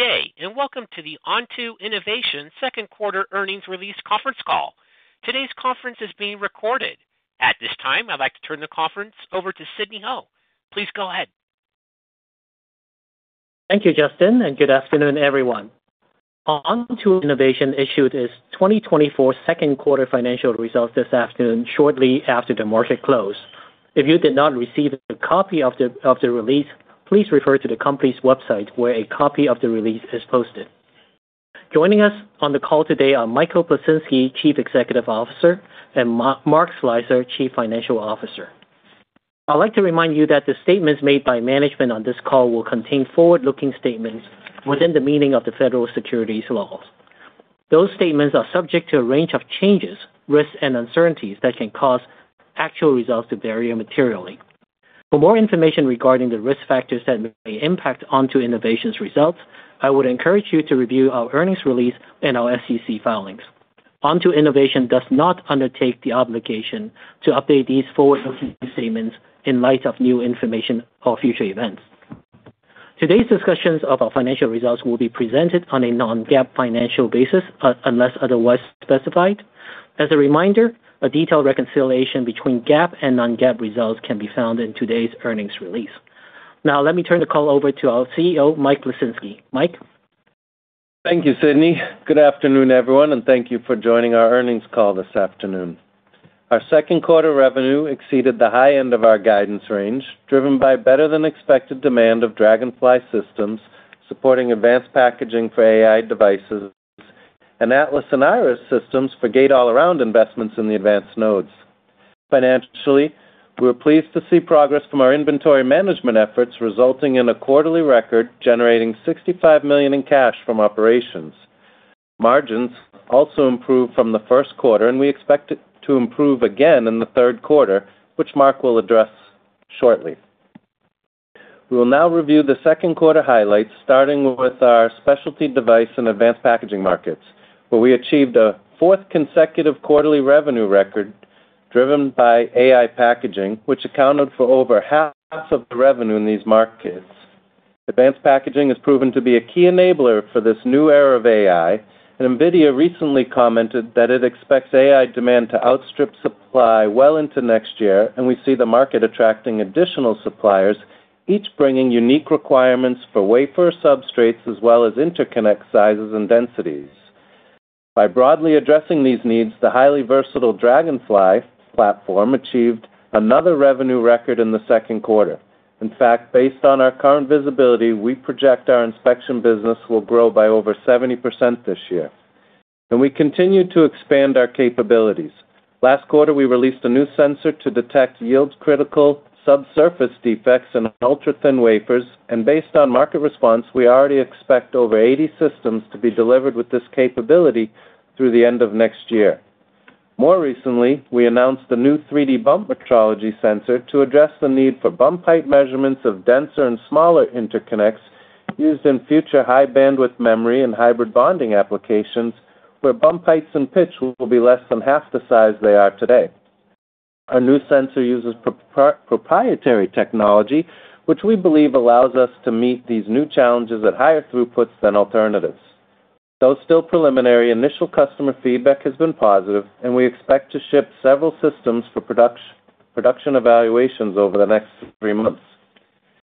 Good day, and welcome to the Onto Innovation second quarter earnings release conference call. Today's conference is being recorded. At this time, I'd like to turn the conference over to Sidney Ho. Please go ahead. Thank you, Justin, and good afternoon, everyone. Onto Innovation issued its 2024 second quarter financial results this afternoon, shortly after the market closed. If you did not receive a copy of the release, please refer to the company's website, where a copy of the release is posted. Joining us on the call today are Michael Plisinski, Chief Executive Officer, and Mark Slicer, Chief Financial Officer. I'd like to remind you that the statements made by management on this call will contain forward-looking statements within the meaning of the federal securities laws. Those statements are subject to a range of changes, risks, and uncertainties that can cause actual results to vary materially. For more information regarding the risk factors that may impact Onto Innovation's results, I would encourage you to review our earnings release and our SEC filings. Onto Innovation does not undertake the obligation to update these forward-looking statements in light of new information or future events. Today's discussions of our financial results will be presented on a non-GAAP financial basis, unless otherwise specified. As a reminder, a detailed reconciliation between GAAP and non-GAAP results can be found in today's earnings release. Now, let me turn the call over to our CEO, Michael Plisinski. Mike? Thank you, Sidney. Good afternoon, everyone, and thank you for joining our earnings call this afternoon. Our second quarter revenue exceeded the high end of our guidance range, driven by better-than-expected demand of Dragonfly systems, supporting Advanced Packaging for AI devices, and Atlas and Iris systems for gate-all-around investments in the Advanced Nodes. Financially, we're pleased to see progress from our inventory management efforts, resulting in a quarterly record, generating $65 million in cash from operations. Margins also improved from the first quarter, and we expect it to improve again in the third quarter, which Mark will address shortly. We will now review the second quarter highlights, starting with our Specialty Devices and Advanced Packaging markets, where we achieved a fourth consecutive quarterly revenue record, driven by AI packaging, which accounted for over half of the revenue in these markets. Advanced packaging has proven to be a key enabler for this new era of AI, and NVIDIA recently commented that it expects AI demand to outstrip supply well into next year, and we see the market attracting additional suppliers, each bringing unique requirements for wafer substrates, as well as interconnect sizes and densities. By broadly addressing these needs, the highly versatile Dragonfly platform achieved another revenue record in the second quarter. In fact, based on our current visibility, we project our inspection business will grow by over 70% this year, and we continue to expand our capabilities. Last quarter, we released a new sensor to detect yield-critical subsurface defects in ultrathin wafers, and based on market response, we already expect over 80 systems to be delivered with this capability through the end of next year. More recently, we announced a new 3D bump metrology sensor to address the need for bump height measurements of denser and smaller interconnects used in future high-bandwidth memory and hybrid bonding applications, where bump heights and pitch will be less than half the size they are today. Our new sensor uses proprietary technology, which we believe allows us to meet these new challenges at higher throughputs than alternatives. Though still preliminary, initial customer feedback has been positive, and we expect to ship several systems for production evaluations over the next 3 months.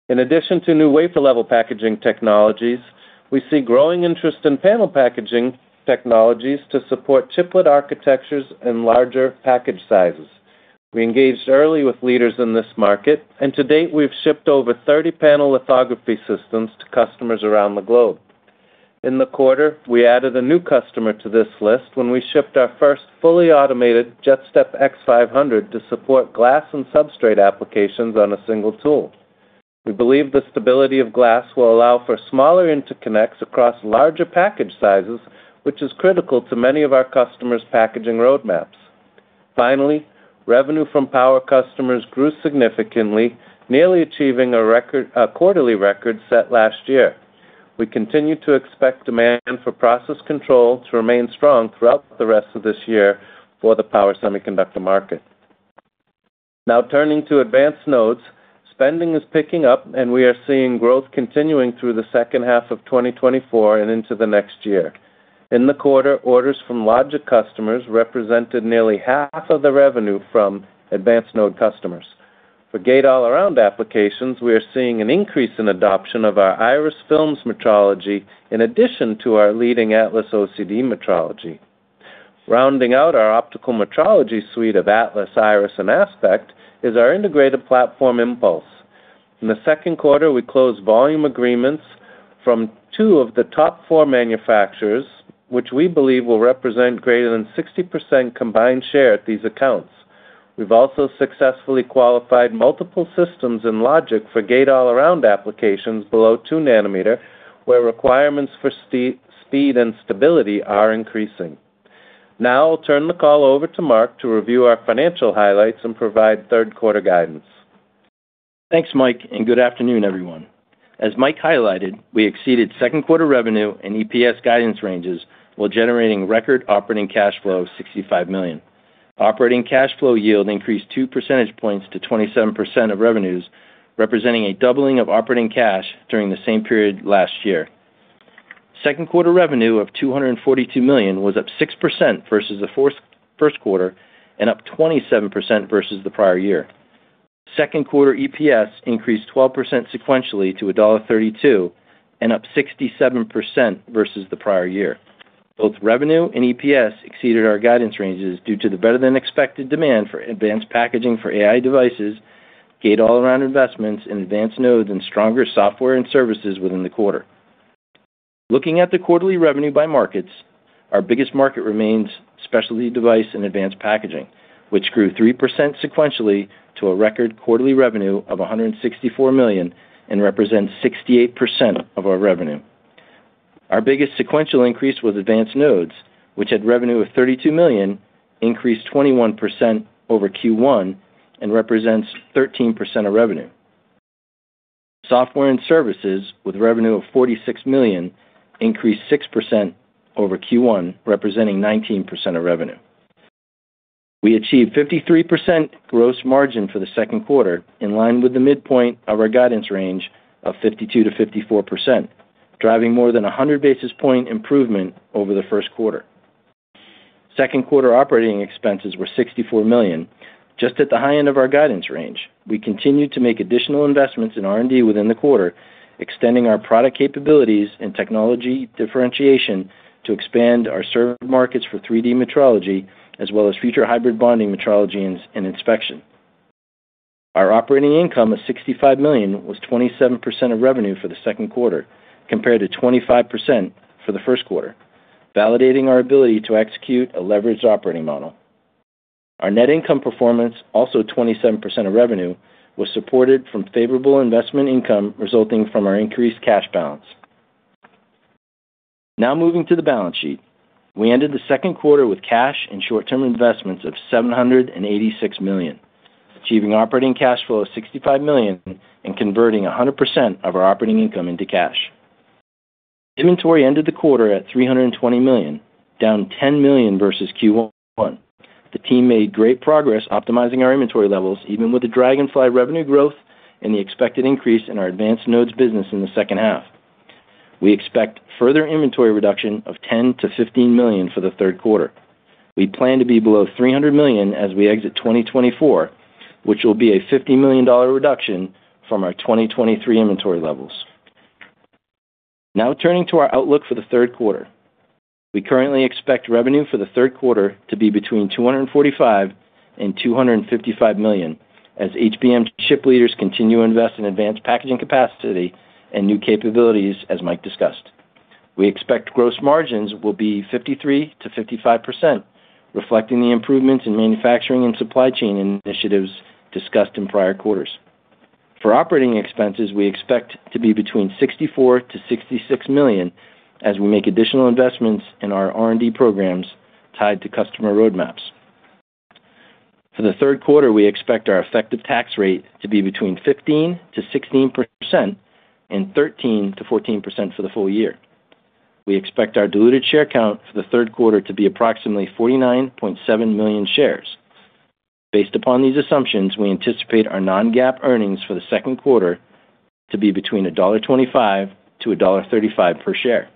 In addition to new wafer-level packaging technologies, we see growing interest in panel packaging technologies to support chiplet architectures and larger package sizes. We engaged early with leaders in this market, and to date, we've shipped over 30 panel lithography systems to customers around the globe. In the quarter, we added a new customer to this list when we shipped our first fully automated JetStep X500 to support glass and substrate applications on a single tool. We believe the stability of glass will allow for smaller interconnects across larger package sizes, which is critical to many of our customers' packaging roadmaps. Finally, revenue from power customers grew significantly, nearly achieving a record, a quarterly record set last year. We continue to expect demand for process control to remain strong throughout the rest of this year for the power semiconductor market. Now, turning to Advanced Nodes, spending is picking up, and we are seeing growth continuing through the second half of 2024 and into the next year. In the quarter, orders from logic customers represented nearly half of the revenue from advanced node customers. For gate-all-around applications, we are seeing an increase in adoption of our Iris films metrology in addition to our leading Atlas OCD metrology. Rounding out our optical metrology suite of Atlas, Iris, and Aspect is our integrated platform, Impulse. In the second quarter, we closed volume agreements from two of the top four manufacturers, which we believe will represent greater than 60% combined share at these accounts. We've also successfully qualified multiple systems and logic for gate-all-around applications below 2 nm, where requirements for speed and stability are increasing. Now I'll turn the call over to Mark to review our financial highlights and provide third quarter guidance. Thanks, Mike, and good afternoon, everyone. As Mike highlighted, we exceeded second quarter revenue and EPS guidance ranges while generating record operating cash flow of $65 million. Operating cash flow yield increased 2 percentage points to 27% of revenues, representing a doubling of operating cash during the same period last year. Second quarter revenue of $242 million was up 6% versus the first quarter, and up 27% versus the prior year. Second quarter EPS increased 12% sequentially to $1.32, and up 67% versus the prior year. Both revenue and EPS exceeded our guidance ranges due to the better-than-expected demand for Advanced Packaging for AI devices, gate-all-around investments in Advanced Nodes, and stronger software and services within the quarter. Looking at the quarterly revenue by markets, our biggest market remains Specialty Devices and Advanced Packaging, which grew 3% sequentially to a record quarterly revenue of $164 million, and represents 68% of our revenue. Our biggest sequential increase was Advanced Nodes, which had revenue of $32 million, increased 21% over Q1, and represents 13% of revenue. Software and services, with revenue of $46 million, increased 6% over Q1, representing 19% of revenue. We achieved 53% gross margin for the second quarter, in line with the midpoint of our guidance range of 52%-54%, driving more than a hundred basis point improvement over the first quarter. Second quarter operating expenses were $64 million, just at the high end of our guidance range. We continued to make additional investments in R&D within the quarter, extending our product capabilities and technology differentiation to expand our served markets for 3D metrology, as well as future hybrid bonding metrology and inspection. Our operating income of $65 million was 27% of revenue for the second quarter, compared to 25% for the first quarter, validating our ability to execute a leveraged operating model. Our net income performance, also 27% of revenue, was supported from favorable investment income resulting from our increased cash balance. Now moving to the balance sheet. We ended the second quarter with cash and short-term investments of $786 million, achieving operating cash flow of $65 million and converting 100% of our operating income into cash. Inventory ended the quarter at $320 million, down $10 million versus Q1. The team made great progress optimizing our inventory levels, even with the Dragonfly revenue growth and the expected increase in our Advanced Nodes business in the second half. We expect further inventory reduction of $10 million-$15 million for the third quarter. We plan to be below $300 million as we exit 2024, which will be a $50 million reduction from our 2023 inventory levels. Now turning to our outlook for the third quarter. We currently expect revenue for the third quarter to be between $245 million and $255 million, as HBM chip leaders continue to invest in Advanced Packaging capacity and new capabilities, as Mike discussed. We expect gross margins will be 53%-55%, reflecting the improvements in manufacturing and supply chain initiatives discussed in prior quarters. For operating expenses, we expect to be between $64 million and $66 million as we make additional investments in our R&D programs tied to customer roadmaps. For the third quarter, we expect our effective tax rate to be between 15%-16%, and 13%-14% for the full year. We expect our diluted share count for the third quarter to be approximately 49.7 million shares. Based upon these assumptions, we anticipate our non-GAAP earnings for the second quarter to be between $1.25-$1.35 per share.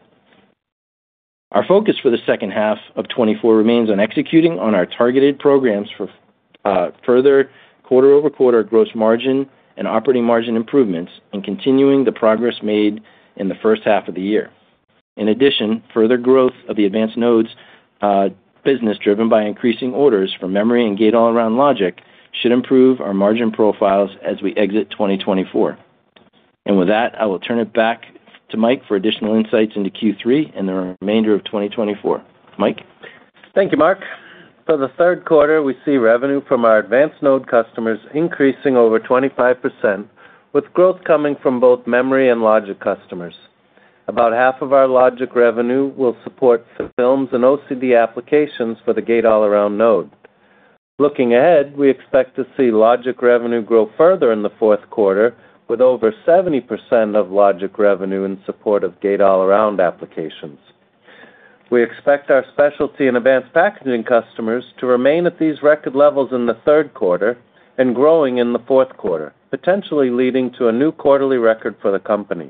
Our focus for the second half of 2024 remains on executing on our targeted programs for further quarter-over-quarter gross margin and operating margin improvements, and continuing the progress made in the first half of the year. In addition, further growth of the Advanced Nodes business, driven by increasing orders for memory and gate-all-around logic, should improve our margin profiles as we exit 2024. And with that, I will turn it back to Mike for additional insights into Q3 and the remainder of 2024. Mike? Thank you, Mark. For the third quarter, we see revenue from our Advanced Nodes customers increasing over 25%, with growth coming from both Memory and Logic customers. About half of our Logic revenue will support films and OCD applications for the gate-all-around node. Looking ahead, we expect to see Logic revenue grow further in the fourth quarter, with over 70% of Logic revenue in support of gate-all-around applications. We expect our Specialty Devices and Advanced Packaging customers to remain at these record levels in the third quarter and growing in the fourth quarter, potentially leading to a new quarterly record for the company.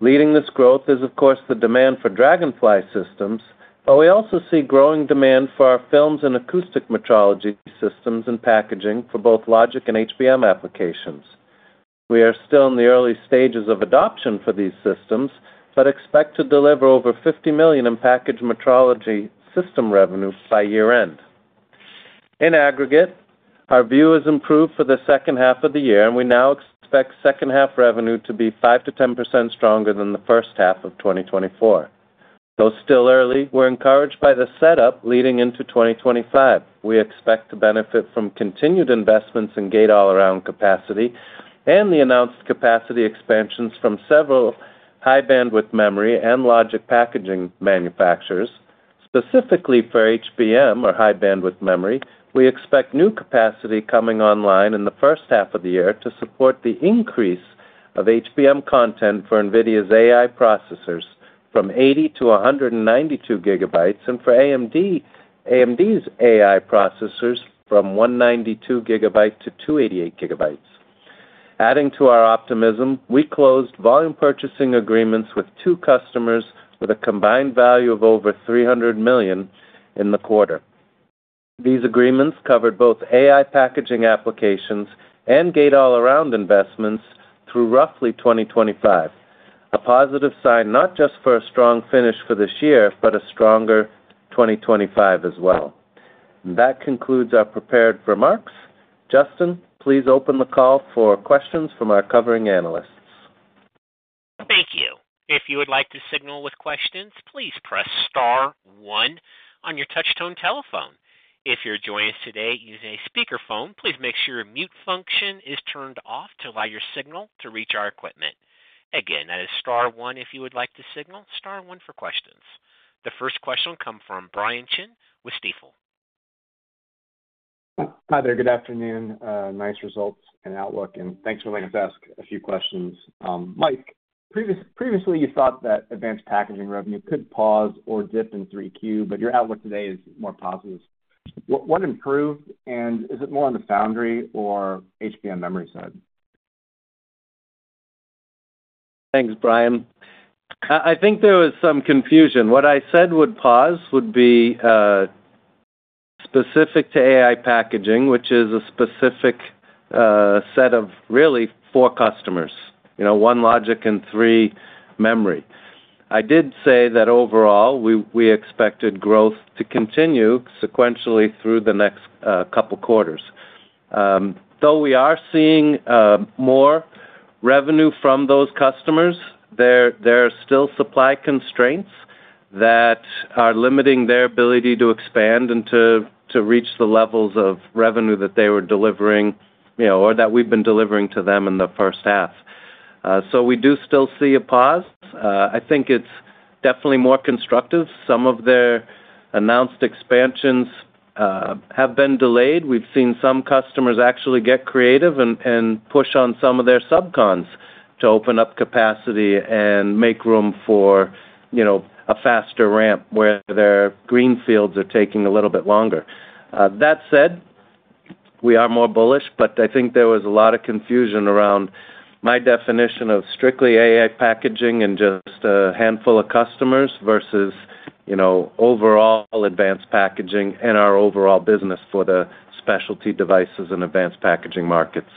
Leading this growth is, of course, the demand for Dragonfly systems, but we also see growing demand for our films and acoustic metrology systems and packaging for both logic and HBM applications. We are still in the early stages of adoption for these systems, but expect to deliver over $50 million in package metrology system revenue by year-end. In aggregate, our view has improved for the second half of the year, and we now expect second half revenue to be 5%-10% stronger than the first half of 2024. Though still early, we're encouraged by the setup leading into 2025. We expect to benefit from continued investments in gate-all-around capacity and the announced capacity expansions from several high-bandwidth memory and logic packaging manufacturers. Specifically for HBM, or high-bandwidth memory, we expect new capacity coming online in the first half of the year to support the increase of HBM content for NVIDIA's AI processors from 80 GB to 192 GB, and for AMD, AMD's AI processors from 192 GB to 288 GB. Adding to our optimism, we closed volume purchasing agreements with two customers with a combined value of over $300 million in the quarter. These agreements covered both AI packaging applications and gate-all-around investments through roughly 2025. A positive sign, not just for a strong finish for this year, but a stronger 2025 as well. That concludes our prepared remarks. Justin, please open the call for questions from our covering analysts. Thank you. If you would like to signal with questions, please press star one on your touchtone telephone. If you're joining us today using a speakerphone, please make sure your mute function is turned off to allow your signal to reach our equipment. Again, that is star one if you would like to signal, star one for questions. The first question will come from Brian Chin with Stifel. Hi there. Good afternoon. Nice results and outlook, and thanks for letting us ask a few questions. Mike, previously, you thought that Advanced Packaging revenue could pause or dip in 3Q, but your outlook today is more positive. What improved, and is it more on the foundry or HBM memory side? Thanks, Brian. I think there was some confusion. What I said would pause would be specific to AI packaging, which is a specific set of really four customers, you know, one in Logic and three in Memory. I did say that overall, we expected growth to continue sequentially through the next couple quarters. Though we are seeing more revenue from those customers, there are still supply constraints that are limiting their ability to expand and to reach the levels of revenue that they were delivering, you know, or that we've been delivering to them in the first half. So we do still see a pause. I think it's definitely more constructive. Some of their announced expansions have been delayed. We've seen some customers actually get creative and push on some of their subcons to open up capacity and make room for, you know, a faster ramp where their greenfields are taking a little bit longer. That said, we are more bullish, but I think there was a lot of confusion around my definition of strictly AI packaging and just a handful of customers versus, you know, overall Advanced Packaging and our overall business for the Specialty Devices and Advanced Packaging markets.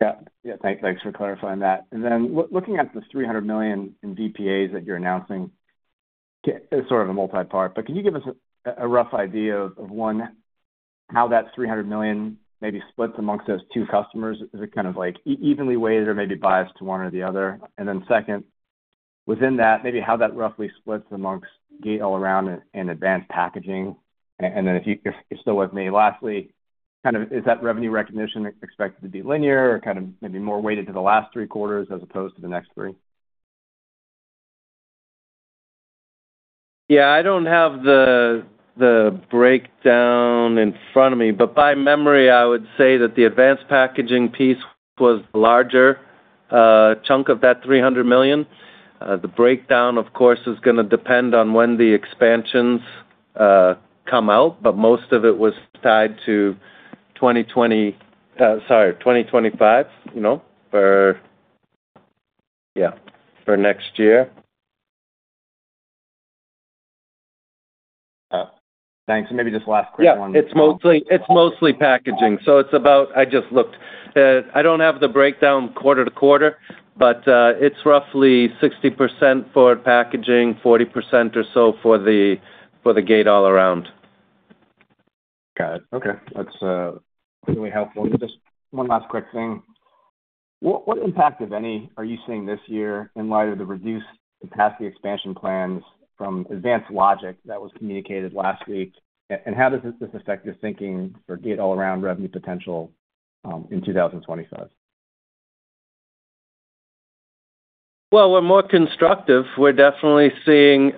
Yeah. Yeah, thanks for clarifying that. And then looking at the $300 million in VPAs that you're announcing, it's sort of a multipart, but can you give us a, a rough idea of, of one, how that $300 million maybe splits amongst those two customers? Is it kind of like evenly weighted or maybe biased to one or the other? And then second, within that, maybe how that roughly splits amongst gate-all-around and Advanced Packaging. And then if you, if you still with me, lastly, kind of is that revenue recognition expected to be linear or kind of maybe more weighted to the last three quarters as opposed to the next three? Yeah, I don't have the breakdown in front of me, but by memory, I would say that the Advanced Packaging piece was the larger chunk of that $300 million. The breakdown, of course, is gonna depend on when the expansions come out, but most of it was tied to 2025, you know, for, yeah, for next year. Thanks. And maybe just last quick one- Yeah, it's mostly, it's mostly Advanced Packaging, so it's about... I just looked. I don't have the breakdown quarter to quarter, but, it's roughly 60% for Packaging, 40% or so for the, for the gate-all-around. Got it. Okay. That's really helpful. Just one last quick thing. What impact, if any, are you seeing this year in light of the reduced capacity expansion plans from Advanced Logic that was communicated last week? And how does this affect your thinking for gate-all-around revenue potential in 2025? Well, we're more constructive. We're definitely seeing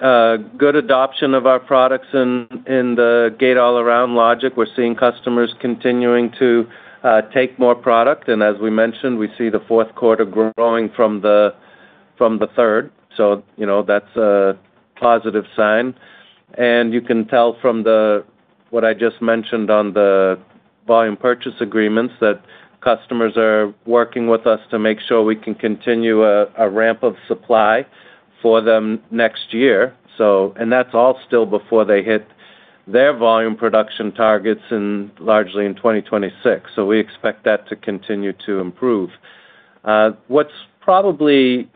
good adoption of our products in the gate-all-around logic. We're seeing customers continuing to take more product, and as we mentioned, we see the fourth quarter growing from the third, so you know, that's a positive sign. And you can tell from what I just mentioned on the volume purchase agreements, that customers are working with us to make sure we can continue a ramp of supply for them next year. So, and that's all still before they hit their volume production targets in largely in 2026. So we expect that to continue to improve. What's probably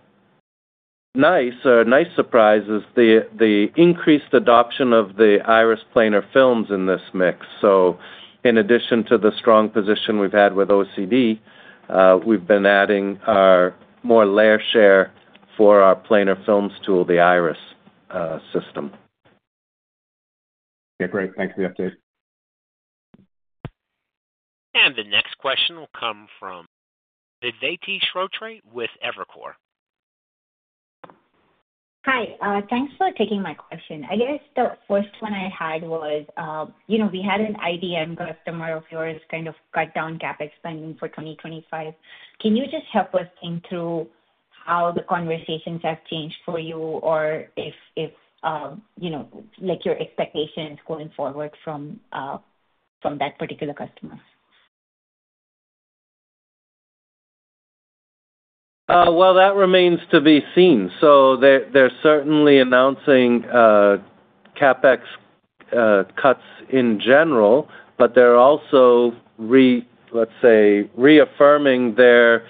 nice or a nice surprise is the increased adoption of the Iris planar films in this mix. So in addition to the strong position we've had with OCD, we've been adding our market share for our planar films tool, the Iris system. Yeah, great. Thanks for the update. The next question will come from Vedvati Shrotre with Evercore. Thanks for taking my question. I guess the first one I had was, you know, we had an IDM customer of yours kind of cut down CapEx spending for 2025. Can you just help us think through how the conversations have changed for you, or if, you know, like, your expectations going forward from that particular customer? Well, that remains to be seen. So they're certainly announcing CapEx cuts in general, but they're also reaffirming their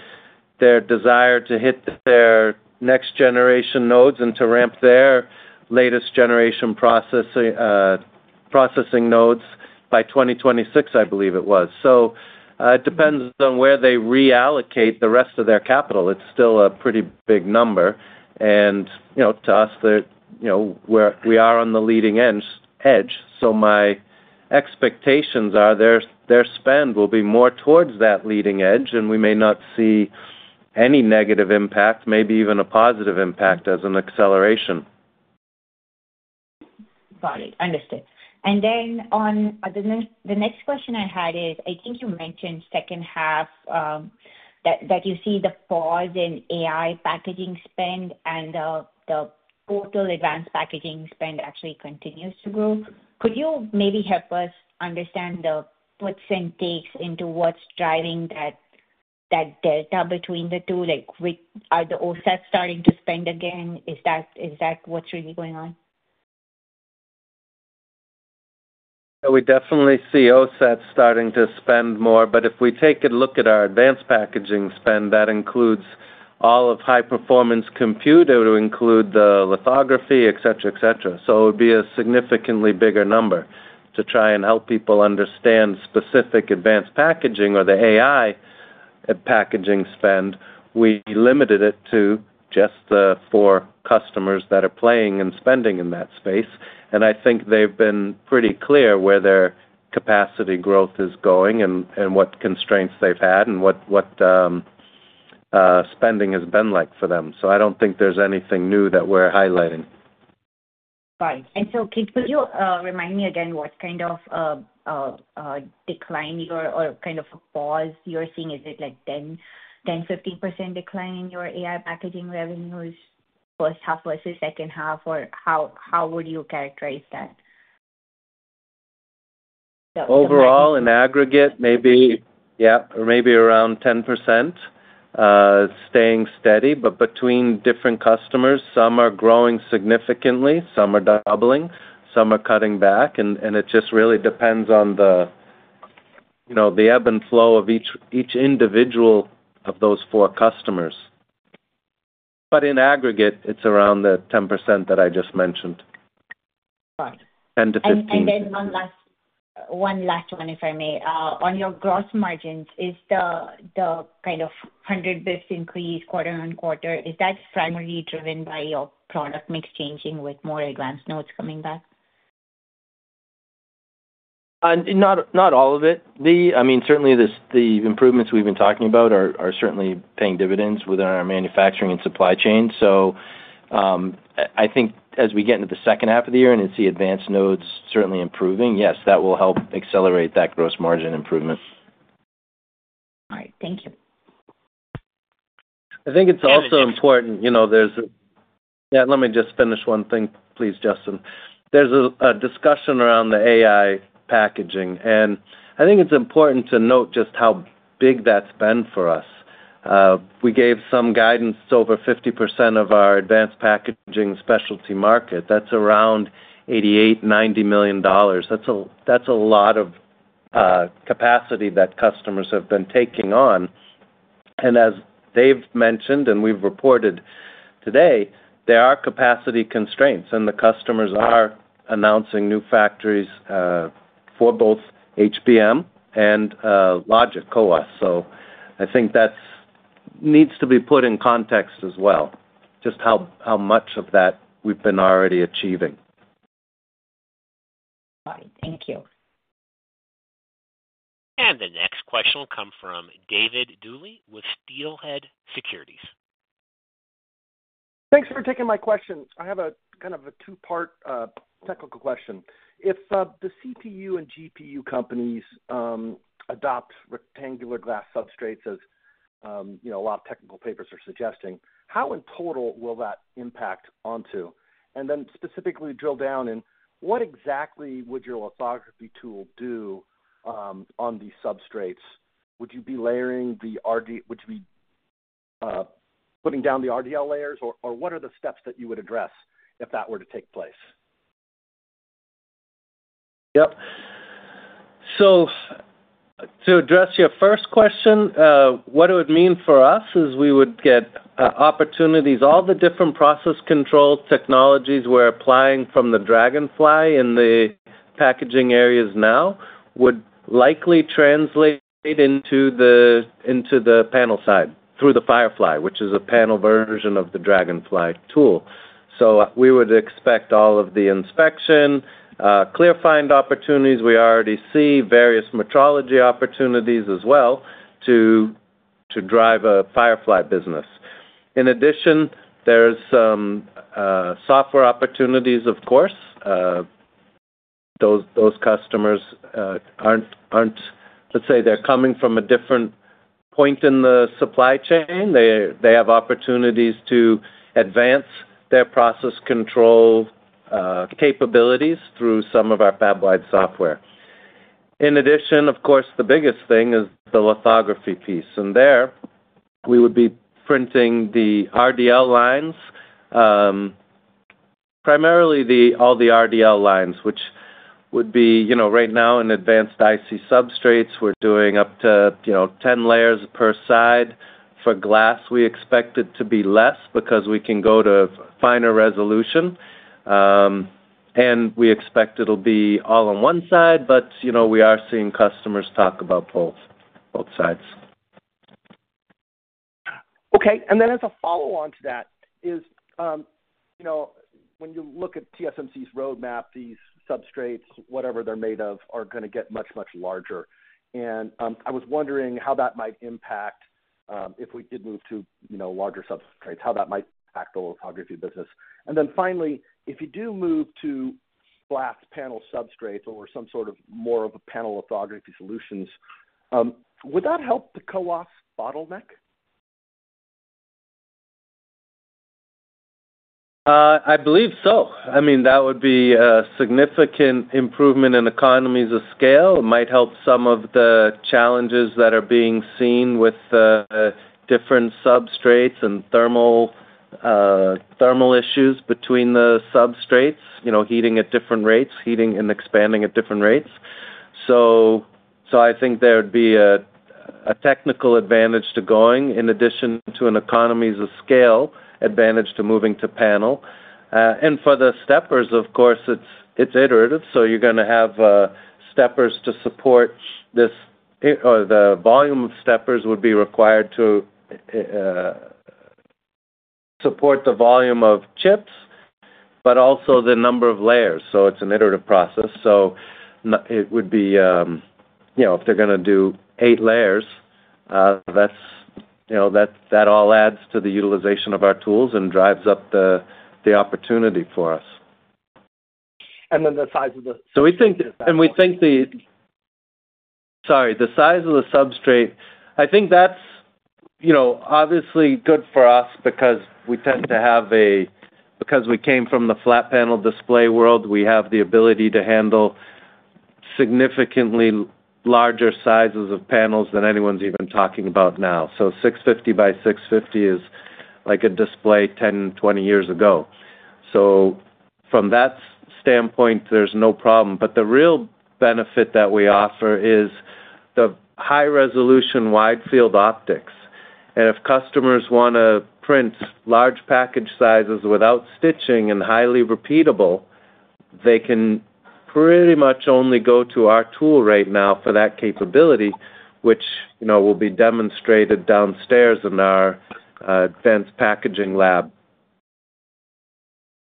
desire to hit their next generation nodes and to ramp their latest generation processing nodes by 2026, I believe it was. So it depends on where they reallocate the rest of their capital. It's still a pretty big number. And, you know, to us, you know, we are on the leading edge, so my expectations are their spend will be more towards that leading edge, and we may not see any negative impact, maybe even a positive impact as an acceleration. Got it. Understood. Then on the next question I had is, I think you mentioned second half that you see the pause in AI packaging spend and the total Advanced Packaging spend actually continues to grow. Could you maybe help us understand the puts and takes into what's driving that delta between the two? Like, are the OSAT starting to spend again? Is that what's really going on? We definitely see OSAT starting to spend more, but if we take a look at our Advanced Packaging spend, that includes all of high-performance compute. It would include the lithography, et cetera, et cetera. So it would be a significantly bigger number. To try and help people understand specific Advanced Packaging or the AI packaging spend, we limited it to just the four customers that are playing and spending in that space. And I think they've been pretty clear where their capacity growth is going and what constraints they've had and what spending has been like for them. So I don't think there's anything new that we're highlighting. Right. So could you remind me again what kind of decline you're—or kind of a pause you're seeing? Is it like 10%-15% decline in your AI packaging revenues, first half versus second half, or how, how would you characterize that? Overall, in aggregate, maybe, yeah, or maybe around 10%, staying steady. But between different customers, some are growing significantly, some are doubling, some are cutting back, and it just really depends on the, you know, the ebb and flow of each individual of those four customers. But in aggregate, it's around the 10% that I just mentioned. Right. 10% to 15%. Then one last one, if I may. On your gross margins, is the kind of 100 basis points increase quarter-over-quarter primarily driven by your product mix changing with more Advanced Nodes coming back? Not all of it. I mean, certainly this, the improvements we've been talking about are certainly paying dividends within our manufacturing and supply chain. So, I think as we get into the second half of the year and you see Advanced Nodes certainly improving, yes, that will help accelerate that gross margin improvement. All right, thank you. I think it's also important, you know, there's a... Yeah, let me just finish one thing, please, Justin. There's a discussion around the AI packaging, and I think it's important to note just how big that's been for us. We gave some guidance. It's over 50% of our Advanced Packaging specialty market. That's around $88 million-$90 million. That's a lot of capacity that customers have been taking on. And as Dave mentioned, and we've reported today, there are capacity constraints, and the customers are announcing new factories for both HBM and Logic CoWoS. So I think that's needs to be put in context as well, just how much of that we've been already achieving. Right. Thank you. The next question will come from David Duley with Steelhead Securities. Thanks for taking my question. I have a kind of a two-part, technical question. If the CPU and GPU companies adopt rectangular glass substrates as, you know, a lot of technical papers are suggesting, how in total will that impact Onto? And then specifically drill down in, what exactly would your lithography tool do on these substrates? Would you be putting down the RDL layers, or what are the steps that you would address if that were to take place? Yep. So to address your first question, what it would mean for us is we would get opportunities. All the different process control technologies we're applying from the Dragonfly in the packaging areas now would likely translate into the panel side through the Firefly, which is a panel version of the Dragonfly tool. So we would expect all of the inspection, ClearFind opportunities. We already see various metrology opportunities as well to drive a Firefly business. In addition, there's software opportunities, of course. Those customers aren't—let's say they're coming from a different point in the supply chain. They have opportunities to advance their process control capabilities through some of our fab-wide software. In addition, of course, the biggest thing is the lithography piece, and there we would be printing the RDL lines. Primarily the, all the RDL lines, which would be, you know, right now in advanced IC substrates, we're doing up to, you know, 10 layers per side. For glass, we expect it to be less because we can go to finer resolution. And we expect it'll be all on one side, but, you know, we are seeing customers talk about both, both sides. Okay, and then as a follow-on to that is, you know, when you look at TSMC's roadmap, these substrates, whatever they're made of, are gonna get much, much larger. And, I was wondering how that might impact, if we did move to, you know, larger substrates, how that might impact the lithography business. And then finally, if you do move to glass panel substrates or some sort of more of a panel lithography solutions, would that help the CoWoS bottleneck? I believe so. I mean, that would be a significant improvement in economies of scale. It might help some of the challenges that are being seen with the different substrates and thermal issues between the substrates, you know, heating at different rates, heating and expanding at different rates. So I think there'd be a technical advantage to going, in addition to an economies of scale advantage to moving to panel. And for the steppers, of course, it's iterative, so you're gonna have steppers to support this, or the volume of steppers would be required to support the volume of chips, but also the number of layers, so it's an iterative process. So, it would be, you know, if they're gonna do eight layers, that's, you know, that all adds to the utilization of our tools and drives up the opportunity for us. And then the size of the- So we think the size of the substrate, I think that's, you know, obviously good for us because we tend to have a because we came from the flat panel display world, we have the ability to handle significantly larger sizes of panels than anyone's even talking about now. So 650 by 650 is like a display 10, 20 years ago. So from that standpoint, there's no problem. But the real benefit that we offer is the high-resolution, wide-field optics. And if customers wanna print large package sizes without stitching and highly repeatable, they can pretty much only go to our tool right now for that capability, which, you know, will be demonstrated downstairs in our Advanced Packaging lab.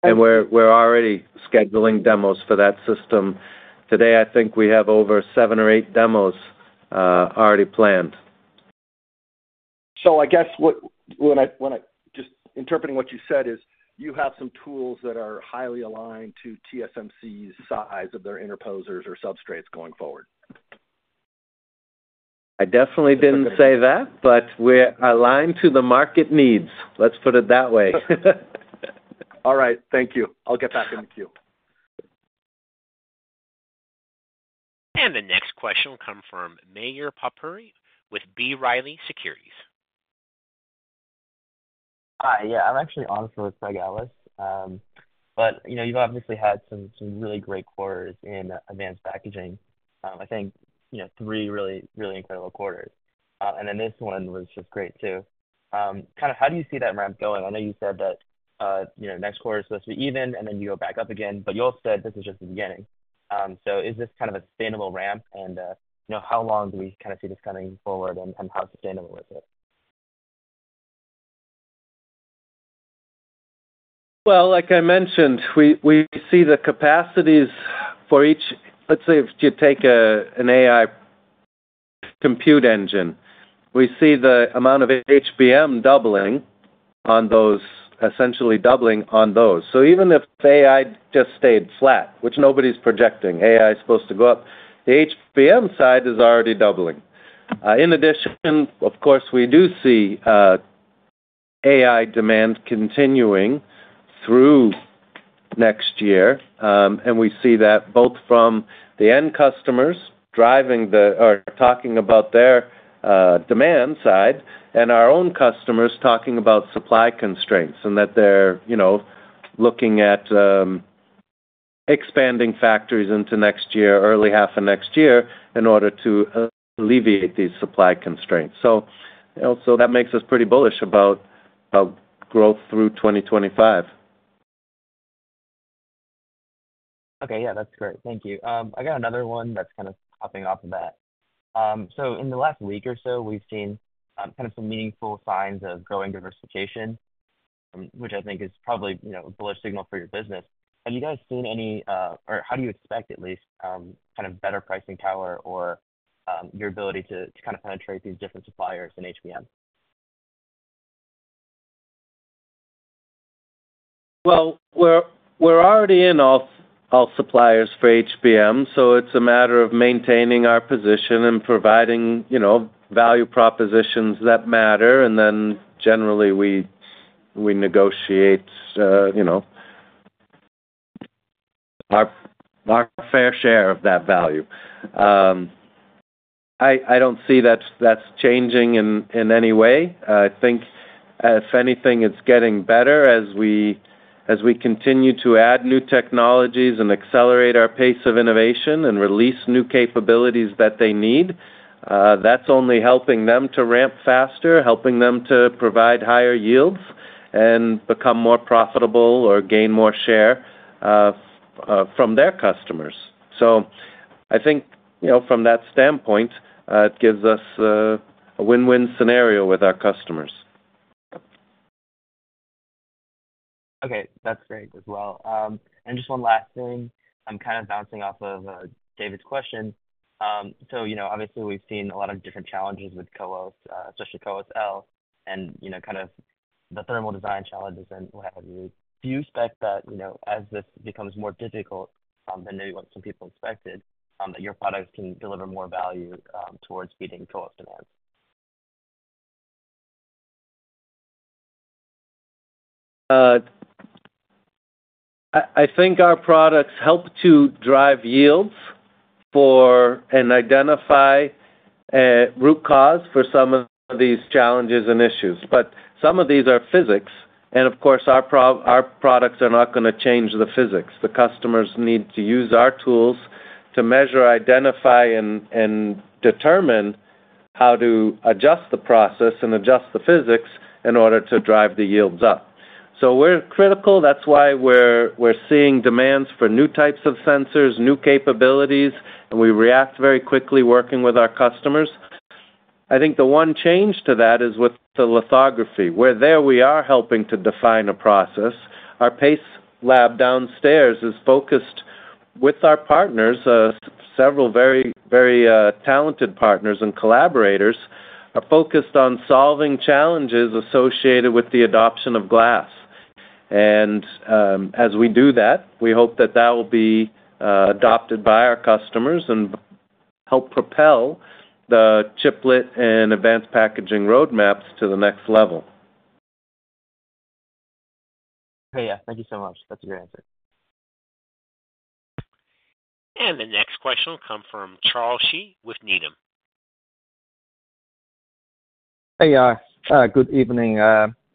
And we're already scheduling demos for that system. Today, I think we have over seven or eight demos already planned. So I guess, just interpreting what you said is, you have some tools that are highly aligned to TSMC's size of their interposers or substrates going forward. I definitely didn't say that, but we're aligned to the market needs. Let's put it that way. All right, thank you. I'll get back in the queue. And the next question will come from Mayur Popuri with B. Riley Securities. Hi, yeah, I'm actually on for Craig Ellis. But, you know, you've obviously had some really great quarters in Advanced Packaging. I think, you know, three really, really incredible quarters. And then this one was just great, too. Kind of how do you see that ramp going? I know you said that, you know, next quarter is supposed to be even, and then you go back up again, but you all said this is just the beginning. So is this kind of a sustainable ramp? And, you know, how long do we kind of see this coming forward, and how sustainable is it? Well, like I mentioned, we see the capacities for each—let's say, if you take an AI compute engine, we see the amount of HBM doubling on those, essentially doubling on those. So even if AI just stayed flat, which nobody's projecting, AI is supposed to go up, the HBM side is already doubling. In addition, of course, we do see AI demand continuing through next year. And we see that both from the end customers driving the—or talking about their demand side, and our own customers talking about supply constraints, and that they're, you know, looking at expanding factories into next year, early half of next year, in order to alleviate these supply constraints. So, you know, so that makes us pretty bullish about growth through 2025. Okay. Yeah, that's great. Thank you. I got another one that's kind of hopping off of that. So in the last week or so, we've seen kind of some meaningful signs of growing diversification, which I think is probably, you know, a bullish signal for your business. Have you guys seen any, or how do you expect at least kind of better pricing power or your ability to kind of penetrate these different suppliers in HBM? Well, we're already in all suppliers for HBM, so it's a matter of maintaining our position and providing, you know, value propositions that matter. And then, generally, we negotiate, you know, our fair share of that value. I don't see that's changing in any way. I think if anything, it's getting better as we continue to add new technologies and accelerate our pace of innovation and release new capabilities that they need, that's only helping them to ramp faster, helping them to provide higher yields and become more profitable or gain more share from their customers. So I think, you know, from that standpoint, it gives us a win-win scenario with our customers. Okay. That's great as well. And just one last thing. I'm kind of bouncing off of David's question. So, you know, obviously, we've seen a lot of different challenges with CoWoS, especially CoWoS-L, and, you know, kind of the thermal design challenges and what have you. Do you expect that, you know, as this becomes more difficult than maybe what some people expected, that your products can deliver more value towards meeting CoWoS demand? I think our products help to drive yields for and identify root cause for some of these challenges and issues. But some of these are physics, and of course, our products are not gonna change the physics. The customers need to use our tools to measure, identify, and determine how to adjust the process and adjust the physics in order to drive the yields up. So we're critical. That's why we're seeing demands for new types of sensors, new capabilities, and we react very quickly working with our customers. I think the one change to that is with the lithography, where there, we are helping to define a process. Our PACE lab downstairs is focused with our partners, several very talented partners and collaborators, are focused on solving challenges associated with the adoption of glass. As we do that, we hope that that will be adopted by our customers and help propel the chiplet and Advanced Packaging roadmaps to the next level. Yeah. Thank you so much. That's a great answer. The next question will come from Charles Shi with Needham. Hey, good evening,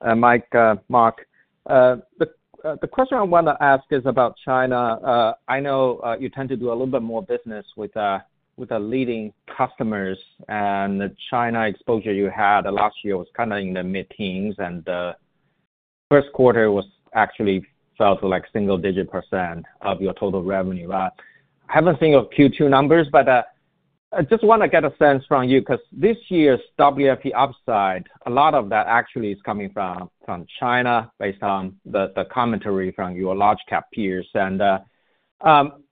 Mike, Mark. The question I want to ask is about China. I know you tend to do a little bit more business with the leading customers, and the China exposure you had last year was kind of in the mid-teens, and the first quarter was actually fell to, like, single-digit percent of your total revenue. I haven't seen your Q2 numbers, but I just wanna get a sense from you, 'cause this year's WFE upside, a lot of that actually is coming from China, based on the commentary from your large cap peers. And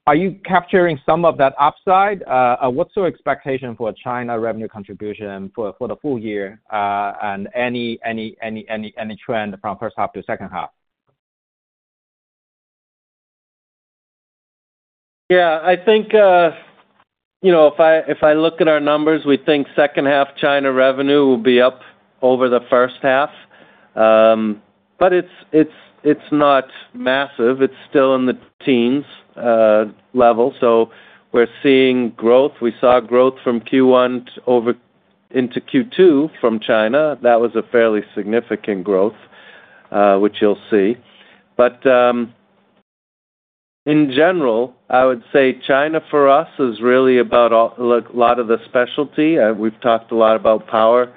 are you capturing some of that upside? What's your expectation for China revenue contribution for the full year, and any trend from first half to second half? Yeah. I think, you know, if I, if I look at our numbers, we think second half China revenue will be up over the first half. But it's not massive. It's still in the teens level. So we're seeing growth. We saw growth from Q1 over into Q2 from China. That was a fairly significant growth, which you'll see. But in general, I would say China, for us, is really about a lot of the specialty. We've talked a lot about power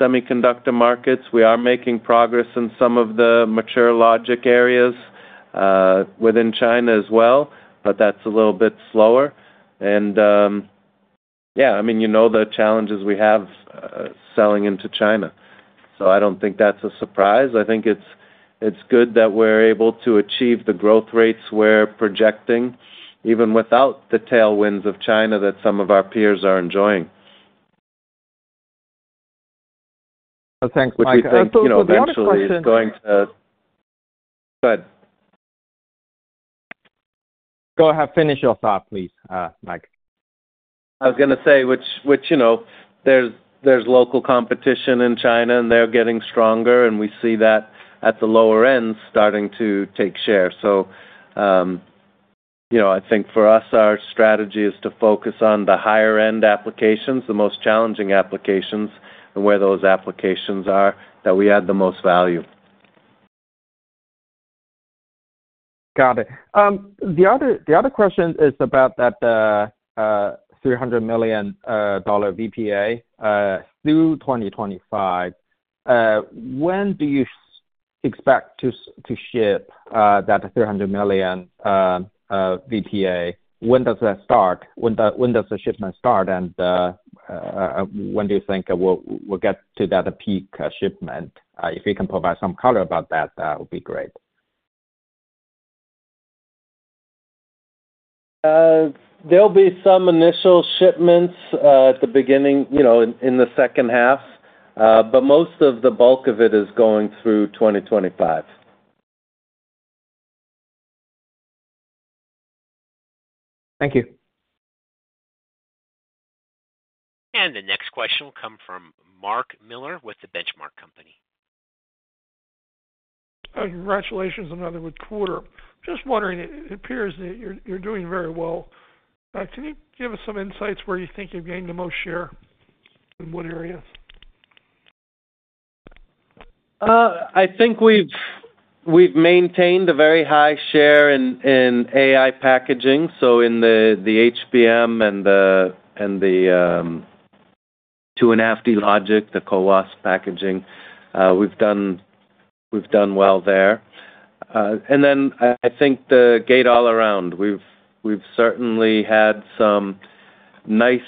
semiconductor markets. We are making progress in some of the mature logic areas, within China as well, but that's a little bit slower. And yeah, I mean, you know the challenges we have, selling into China, so I don't think that's a surprise. I think it's good that we're able to achieve the growth rates we're projecting, even without the tailwinds of China that some of our peers are enjoying. Thanks, Mike. So the other question- You know, eventually it's going to, but- Go ahead, finish your thought, please, Mike. I was gonna say, which, you know, there's local competition in China, and they're getting stronger, and we see that at the lower end starting to take share. So, you know, I think for us, our strategy is to focus on the higher end applications, the most challenging applications, and where those applications are that we add the most value. Got it. The other question is about that $300 million VPA through 2025. When do you expect to ship that $300 million VPA? When does that start? When does the shipment start, and when do you think we'll get to that peak shipment? If you can provide some color about that, would be great. There'll be some initial shipments at the beginning, you know, in the second half. But most of the bulk of it is going through 2025. Thank you. The next question will come from Mark Miller with The Benchmark Company. Congratulations on another good quarter. Just wondering, it appears that you're doing very well. Can you give us some insights where you think you've gained the most share, in what areas? I think we've maintained a very high share in AI packaging, so in the HBM and the 2.5D logic, the CoWoS packaging. We've done well there. And then I think the gate-all-around, we've certainly had some nice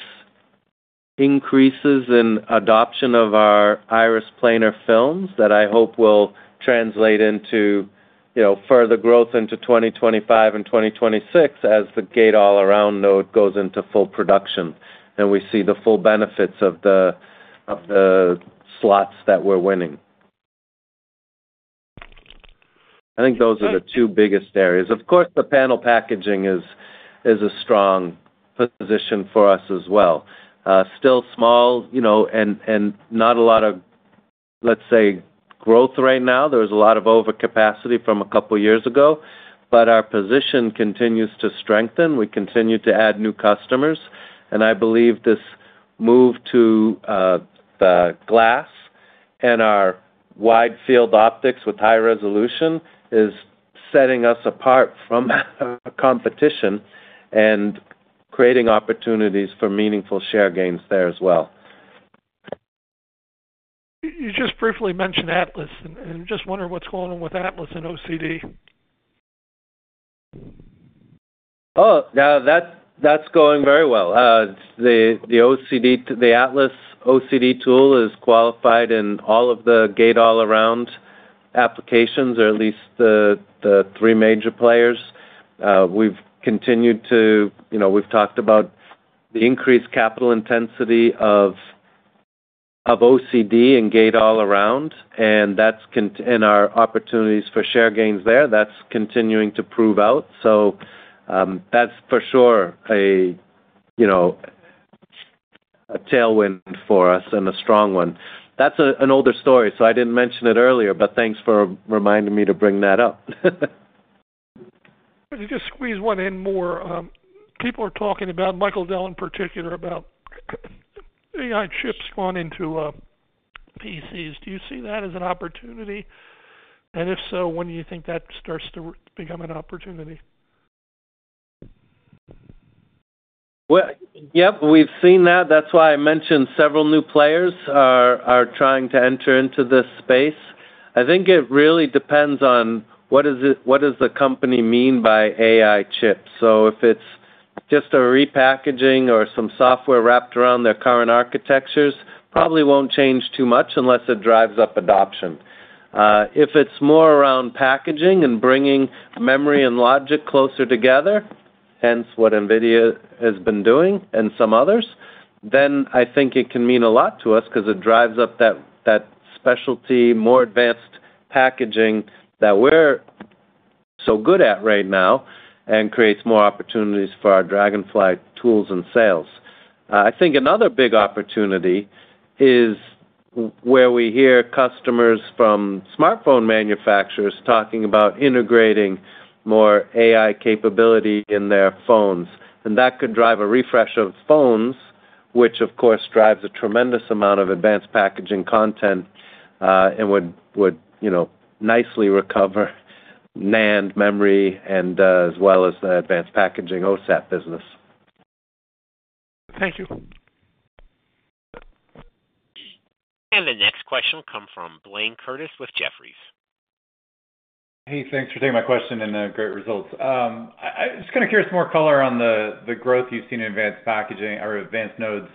increases in adoption of our Iris planar films that I hope will translate into, you know, further growth into 2025 and 2026, as the gate-all-around node goes into full production, and we see the full benefits of the slots that we're winning. I think those are the two biggest areas. Of course, the panel packaging is a strong position for us as well. Still small, you know, and not a lot of, let's say, growth right now. There's a lot of overcapacity from a couple years ago, but our position continues to strengthen. We continue to add new customers, and I believe this move to the glass and our wide field optics with high resolution is setting us apart from our competition and creating opportunities for meaningful share gains there as well. You just briefly mentioned Atlas, and just wondering what's going on with Atlas and OCD. Oh, now, that's going very well. The OCD, the Atlas OCD tool is qualified in all of the gate-all-around applications, or at least the three major players. We've continued to—you know, we've talked about the increased capital intensity of OCD and gate-all-around, and that's continuing. And our opportunities for share gains there, that's continuing to prove out. So, that's for sure, you know, a tailwind for us and a strong one. That's an older story, so I didn't mention it earlier, but thanks for reminding me to bring that up. Let me just squeeze one in more. People are talking about Michael Dell in particular about AI chips going into PCs. Do you see that as an opportunity? And if so, when do you think that starts to become an opportunity? Well, yep, we've seen that. That's why I mentioned several new players are trying to enter into this space. I think it really depends on what is it-- what does the company mean by AI chips? So if it's just a repackaging or some software wrapped around their current architectures, probably won't change too much unless it drives up adoption. If it's more around packaging and bringing memory and logic closer together, hence what NVIDIA has been doing and some others, then I think it can mean a lot to us 'cause it drives up that specialty, more Advanced Packaging that we're so good at right now and creates more opportunities for our Dragonfly tools and sales. I think another big opportunity is where we hear customers from smartphone manufacturers talking about integrating more AI capability in their phones. That could drive a refresh of phones, which, of course, drives a tremendous amount of Advanced Packaging content, and would, you know, nicely recover NAND memory, as well as the Advanced Packaging OSAT business. Thank you. The next question will come from Blayne Curtis with Jefferies. Hey, thanks for taking my question, and great results. I just kind of curious, more color on the growth you've seen in Advanced Packaging or Advanced Nodes.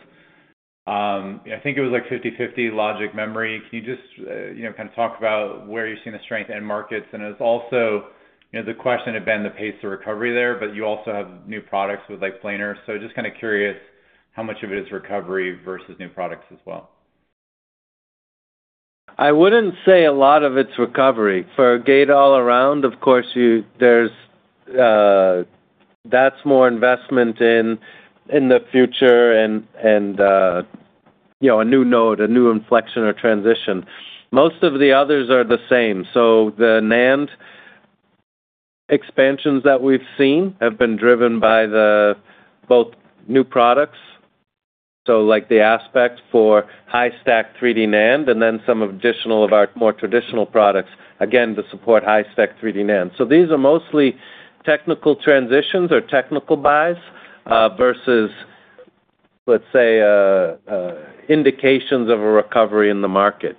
I think it was, like, 50/50 Logic to Memory. Can you just, you know, kind of talk about where you've seen the strength in markets? And it's also, you know, the question had been the pace of recovery there, but you also have new products with, like, planar. So just kind of curious how much of it is recovery versus new products as well. I wouldn't say a lot of it's recovery. For gate-all-around, of course, you there's that's more investment in the future and you know, a new node, a new inflection or transition. Most of the others are the same. So the NAND expansions that we've seen have been driven by the both new products, so like the Aspect for high-stack 3D NAND, and then some of additional of our more traditional products, again, to support high-stack 3D NAND. So these are mostly technical transitions or technical buys versus, let's say, a indications of a recovery in the market.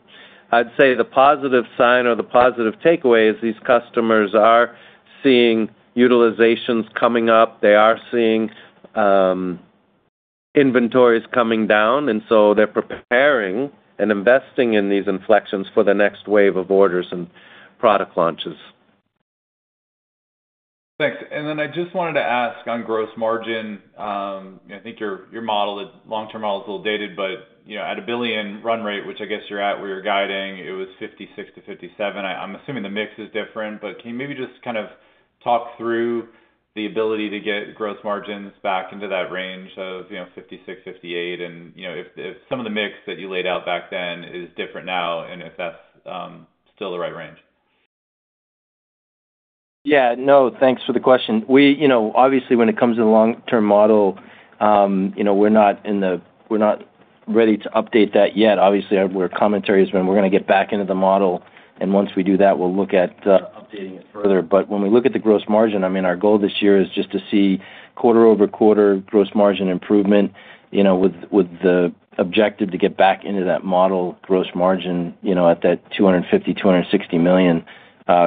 I'd say the positive sign or the positive takeaway is these customers are seeing utilizations coming up. They are seeing inventory is coming down, and so they're preparing and investing in these inflections for the next wave of orders and product launches. Thanks. And then I just wanted to ask on gross margin. I think your, your model, long-term model is a little dated, but, you know, at a $1 billion run rate, which I guess you're at, where you're guiding, it was 56%-57%. I'm assuming the mix is different, but can you maybe just kind of talk through the ability to get gross margins back into that range of, you know, 56%-58%, and, you know, if, if some of the mix that you laid out back then is different now, and if that's still the right range? Yeah, no, thanks for the question. We, you know, obviously, when it comes to the long-term model, you know, we're not in the- we're not ready to update that yet. Obviously, our commentary is when we're gonna get back into the model, and once we do that, we'll look at updating it further. But when we look at the gross margin, I mean, our goal this year is just to see quarter-over-quarter gross margin improvement, you know, with the objective to get back into that model gross margin, you know, at that $250-$260 million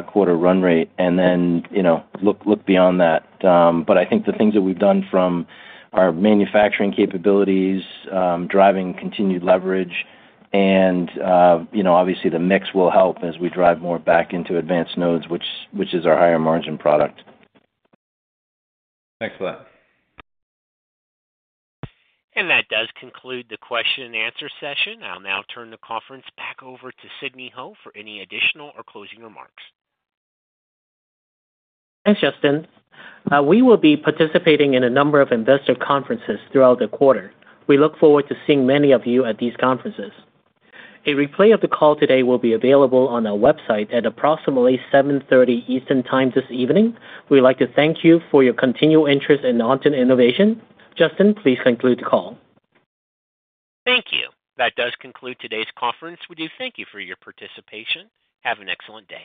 quarter run rate, and then, you know, look beyond that. But I think the things that we've done from our manufacturing capabilities, driving continued leverage, and, you know, obviously, the mix will help as we drive more back into Advanced Nodes, which is our higher margin product. Thanks a lot. That does conclude the question-and-answer session. I'll now turn the conference back over to Sidney Ho for any additional or closing remarks. Thanks, Justin. We will be participating in a number of investor conferences throughout the quarter. We look forward to seeing many of you at these conferences. A replay of the call today will be available on our website at approximately 7:30 P.M. Eastern Time this evening. We'd like to thank you for your continued interest in Onto Innovation. Justin, please conclude the call. Thank you. That does conclude today's conference. We do thank you for your participation. Have an excellent day.